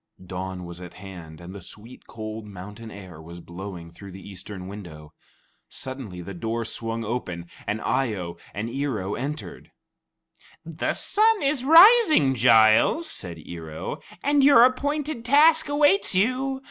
Dawn was at hand, and the sweet, cold mountain air was blowing through the eastern window. Suddenly, the door swung open, and Eye o and Ear o entered. "The sun is rising, Giles," said Ear o, "and your appointed task awaits you.